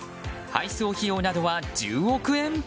配送費用などは１０億円？